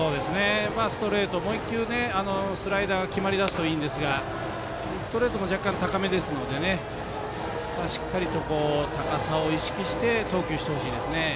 ストレート、もう１球スライダーが決まりだすといいんですがストレートも若干高めですのでしっかりと高さを意識して投球してほしいですね。